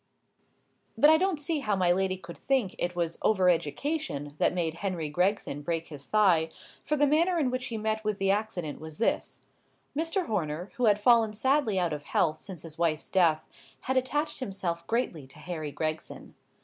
But I don't see how my lady could think it was over education that made Harry Gregson break his thigh, for the manner in which he met with the accident was this:— Mr. Horner, who had fallen sadly out of health since his wife's death, had attached himself greatly to Harry Gregson.